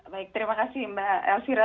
baik terima kasih mbak elvira